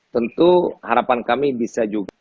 tentu harapan kami bisa juga